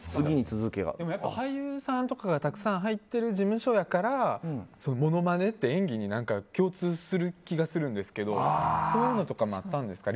俳優さんとかがたくさん入ってる事務所やからものまねって演技に共通する気がするんですがそういうのとかもあったんですか？